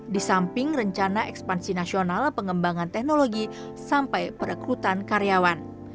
disamping rencana ekspansi nasional pengembangan teknologi sampai perekrutan karyawan